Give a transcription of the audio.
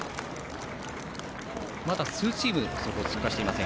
まだ数チーム通過していません。